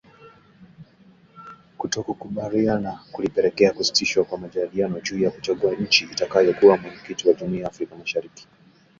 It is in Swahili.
Kutokukubaliana kulipelekea kusitishwa kwa majadiliano juu ya kuchagua nchi itakayokuwa mwenyeji wa Jumuiya ya Afrika mashariki